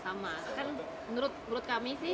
sama kan menurut kami sih